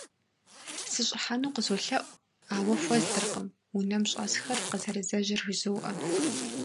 СыщӀыхьэну къызолъэӀу, ауэ хуэздэркъым, унэм щӀэсхэр къызэрызэжьэр жызоӀэ.